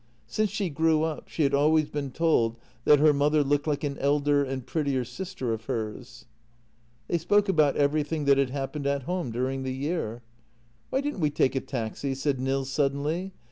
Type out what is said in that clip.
Since she grew up she had always been told that her mother looked like an elder and prettier sister of hers. They spoke about everything that had happened at home during the year. " Why didn't we take a taxi? " said Nils suddenly.